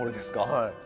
はい。